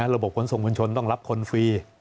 ระบบส่งผู้ชนต้องรับคนฟรี